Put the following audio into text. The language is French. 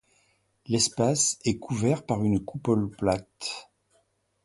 L'espace est couvert par une coupole plate.